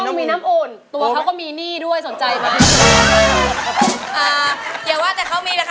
ถ้าสนุกยังไม่พา